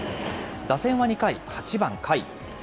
打線は２回、８番甲斐。